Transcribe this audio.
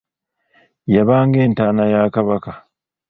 Y'abanga entaana ya Kabaka.